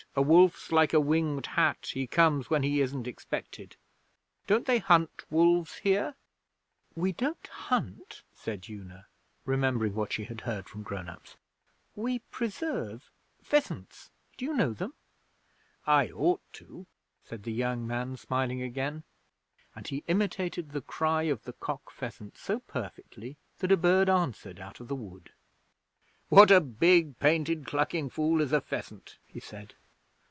A wolf's like a Winged Hat. He comes when he isn't expected. Don't they hunt wolves here?' 'We don't hunt,' said Una, remembering what she had heard from grown ups. 'We preserve pheasants. Do you know them?' 'I ought to,' said the young man, smiling again, and he imitated the cry of the cock pheasant so perfectly that a bird answered out of the wood. 'What a big painted clucking fool is a pheasant!' he said.